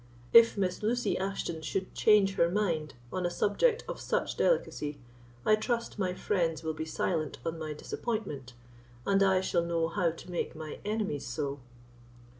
If Miss Lucy Ashton should change her mind on a subject of such delicacy, I trust my friends will be silent on my disappointment, and I shall know how to make my enemies so."